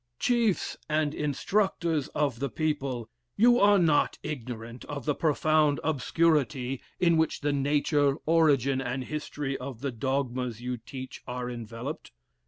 "Chiefs and instructors of the people! you are not ignorant of the profound obscurity in which the nature, origin, and history of the dogmas you teach are enveloped.